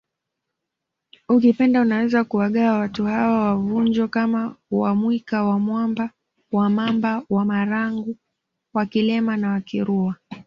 Ukipenda unaweza kuwagawa watu hawa wa Vunjo kama WaMwika WaMamba WaMarangu WaKilema na Wakirua